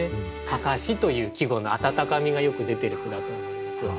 「案山子」という季語の温かみがよく出てる句だと思いますよ。